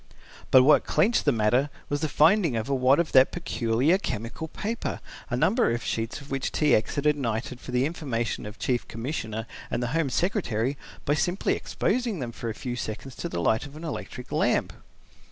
But what clinched the matter was the finding of a wad of that peculiar chemical paper, a number of sheets of which T. X. had ignited for the information of the Chief Commissioner and the Home Secretary by simply exposing them for a few seconds to the light of an electric lamp.